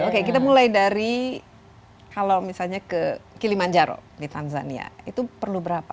oke kita mulai dari kalau misalnya ke kilimanjaro di tanzania itu perlu berapa